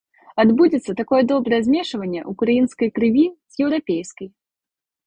Адбудзецца такое добрае змешванне ўкраінскай крыві з еўрапейскай.